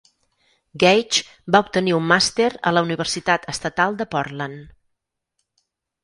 Gage va obtenir un màster a la Universitat Estatal de Portland.